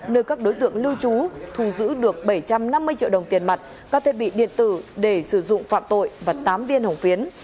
nơi các đối tượng lưu trú thu giữ được bảy trăm năm mươi triệu đồng tiền mặt các thiết bị điện tử để sử dụng phạm tội và tám viên hồng phiến